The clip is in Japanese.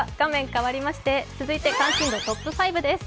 変わりまして続いて関心度トップ５です。